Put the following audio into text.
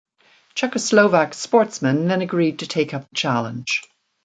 Czechoslovak sportsmen then agreed to take up the challenge.